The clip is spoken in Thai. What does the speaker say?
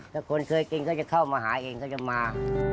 ถ้าคนเคยกินก็จะเข้ามาหาเองก็จะมา